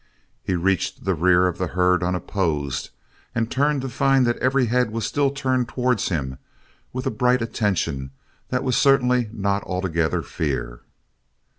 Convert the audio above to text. He reached the rear of the herd unopposed and turned to find that every head was still turned towards him with a bright attention that was certainly not altogether fear.